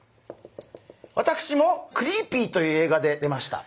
私も「クリーピー」という映画で出ました。